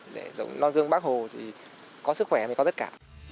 để giống non dương bác hồ thì có sức khỏe thì có tất cả